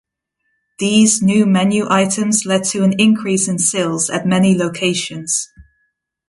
These new menu items led to an increase in sales at many locations.